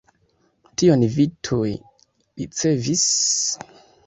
Tion vi tuj ricevis.